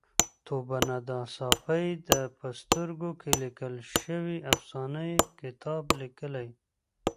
طوبا ندا ساپۍ د په سترګو کې لیکل شوې افسانه کتاب لیکلی